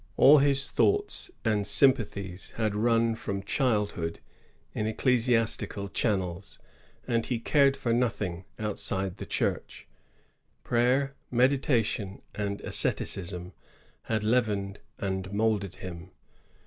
All his thoughts and sympathies had 228 LAVAL AND THE SEMINABT. [1662 80. run from childhood in ecclesiastical channels, and he cared for nothing outside the Church. Prayer, medi tation, and asceticism had leavened and moulded him.